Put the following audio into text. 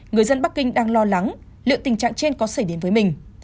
người dân bắc kinh đang lo lắng liệu tình trạng trên có xảy đến với mình